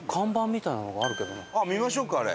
あっ見ましょうかあれ。